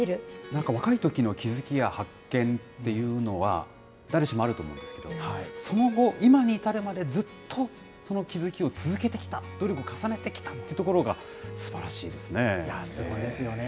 なんか若いときの気付きや発見っていうのは、誰しもあると思うんですけど、その後、今に至るまでずっと、その気付きを続けてきた、努力を重ねてきたというところがすばらしいですね。